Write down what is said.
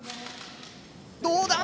どうだ？